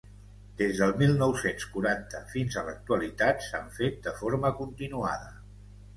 Des del mil nou-cents quaranta fins a l'actualitat s'han fet de forma continuada.